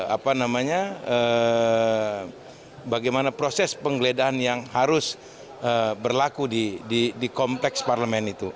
apa namanya bagaimana proses penggeledahan yang harus berlaku di kepala mou